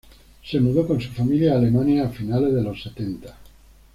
Se mudó con su familia a Alemania a finales de los setenta.